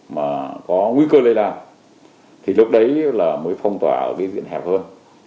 mà có nguy cơ lây đạp thì lúc đấy mới phong tỏa ở cái diện hẹp hơn